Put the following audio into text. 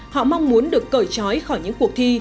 họ mong muốn được cởi trói khỏi những cuộc thi